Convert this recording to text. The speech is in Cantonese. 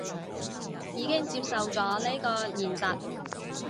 已經接受咗呢個現實